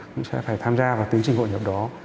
cũng sẽ phải tham gia vào tiến trình hội nhập đó